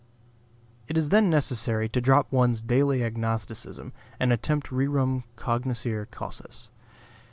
It is then necessary to drop one's daily agnosticism and attempt rerum cognoscere causas.